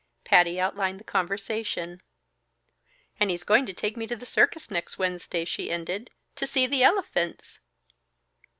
Patty outlined the conversation. "And he's going to take me to the circus next Wednesday," she ended, "to see the elephunts!"